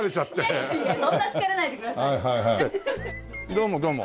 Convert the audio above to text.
どうもどうも。